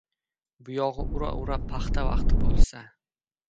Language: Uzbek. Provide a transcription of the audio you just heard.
— Buyog‘i ura-ura paxta vaqti bo‘lsa.